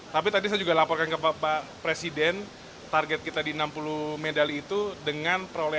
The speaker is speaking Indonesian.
tapi tadi saya juga laporkan ke bapak presiden target kita di enam puluh medali itu dengan perolehan